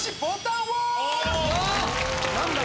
何だ？